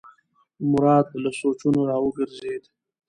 مراد له سوچونو راوګرځېد.